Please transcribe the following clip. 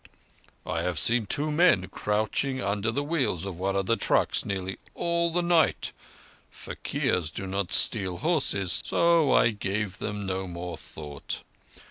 "I have seen two men crouching under the wheels of one of the trucks nearly all night. Faquirs do not steal horses, so I gave them no more thought.